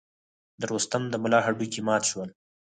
د رستم د ملا هډوکي مات شول.